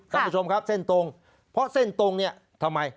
คุณผู้ชมครับเส้นตรงเพราะเส้นตรงทำไม